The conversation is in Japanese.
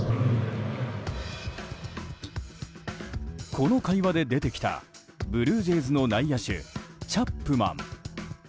この会話で出てきたブルージェイズの内野手チャップマン。